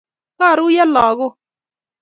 Karuiyo lagok